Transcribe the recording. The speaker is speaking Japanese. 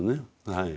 はい。